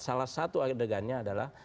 salah satu adegannya adalah